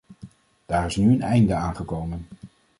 Daar is nu een einde aan gekomen.